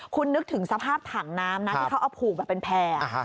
คุณนึกถึงสภาพถังน้ำนะที่เขาเอาผูกแบบเป็นแพร่